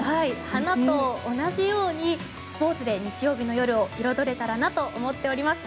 花と同じようにスポーツで日曜日の夜を彩れたらなと思っています。